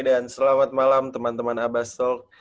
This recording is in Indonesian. dan selamat malam teman teman abastol